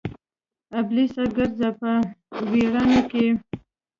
ابلیسه ګرځه په ویرانو کې